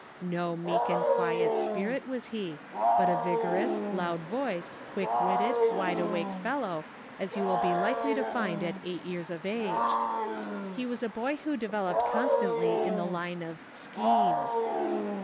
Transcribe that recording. No meek and quiet spirit was he, but a vigorous, loud voiced, quick witted, wide awake fellow as you will be likely to find at eight years of age. He was a boy who developed constantly in the line of schemes.